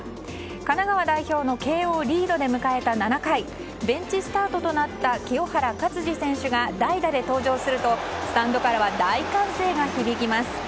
神奈川代表の慶應リードで迎えた７回ベンチスタートとなった清原勝児選手が代打で登場するとスタンドからは大歓声が響きます。